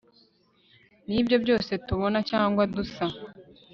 nibyo byose tubona cyangwa dusa